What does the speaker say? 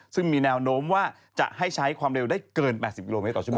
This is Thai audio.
ซึ่งมีแนวโน้มว่าจะให้ใช้ความเร็วได้เกิน๘๐กิโลเมตรต่อชัว